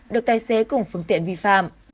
được tài xế cùng phương tiện vi phạm